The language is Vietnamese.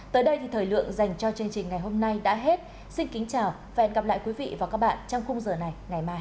tới đây thì thời lượng dành cho chương trình ngày hôm nay đã hết xin kính chào và hẹn gặp lại quý vị và các bạn trong khung giờ này ngày mai